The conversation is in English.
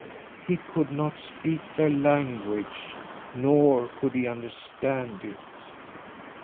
He could not speak their language, nor could he understand it.